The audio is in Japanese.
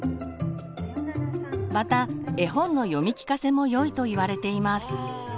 また絵本の読み聞かせもよいといわれています。